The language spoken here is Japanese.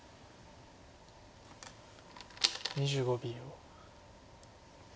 ２５秒。